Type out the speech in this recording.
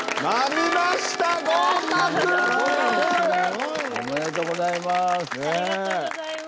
ありがとうございます。